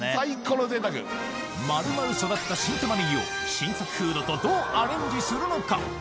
丸々育った新タマネギを新作フードとどうアレンジするのか？